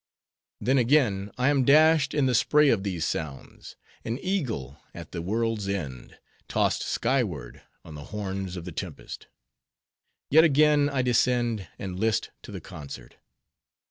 Then again, I am dashed in the spray of these sounds: an eagle at the world's end, tossed skyward, on the horns of the tempest. Yet, again, I descend, and list to the concert.